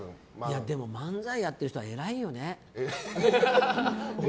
でも、漫才をやっている人は偉いよね。